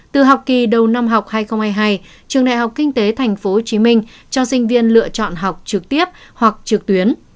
từ học kỳ đầu năm học hai nghìn hai mươi hai trường đại học kinh tế tp hcm cho sinh viên lựa chọn học trực tiếp hoặc trực tuyến